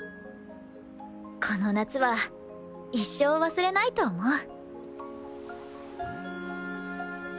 この夏は一生忘れないと思う。